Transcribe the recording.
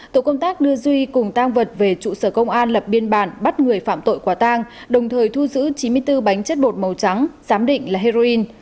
tổ công tác đưa duy cùng tang vật về trụ sở công an lập biên bản bắt người phạm tội quả tang đồng thời thu giữ chín mươi bốn bánh chất bột màu trắng giám định là heroin